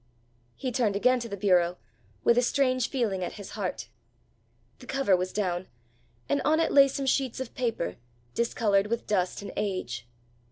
He turned again to the bureau, with a strange feeling at his heart. The cover was down, and on it lay some sheets of paper, discoloured with dust and age.